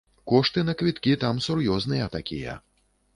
Кошты на квіткі там сур'ёзныя такія.